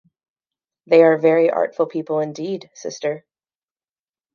They are very artful people indeed, sister.